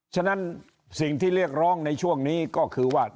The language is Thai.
ฉะนั้นสิ่งที่เรียกร้องในช่วงนี้ก็คือว่า